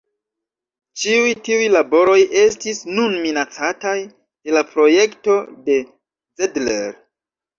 Ĉiuj tiuj laboroj estis nun minacataj de la projekto de Zedler.